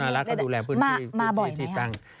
กรมธนารักษณ์เขาดูแลพื้นที่ที่ตั้ง